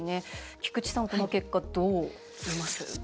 菊地さん、この結果どう見ます？